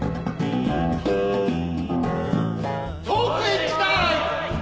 遠くへ行きたい！